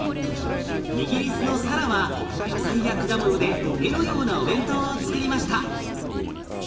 イギリスのサラは野菜や果物で絵のようなお弁当をつくりました。